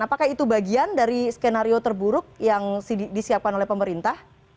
apakah itu bagian dari skenario terburuk yang disiapkan oleh pemerintah